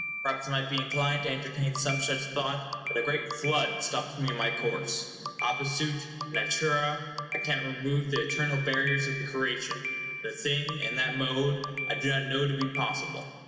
Perhaps I might be inclined to entertain some such thought; but a great flood stops me in my course. Opposuit natura. [Footnote: 50 ] I cannot remove the eternal barriers of the creation. The thing, in that mode, I do not know to be possible.